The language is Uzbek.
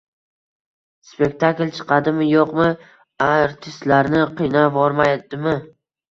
Spektakl chiqadimi-yo‘qmi, artistlarni qiynavormadimmi